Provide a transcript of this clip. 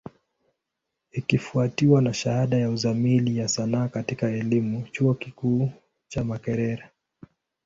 Ikifwatiwa na shahada ya Uzamili ya Sanaa katika elimu, chuo kikuu cha Makerere.